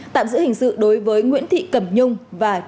tạm giữ hình sự đối với nguyễn thị cẩm nhung và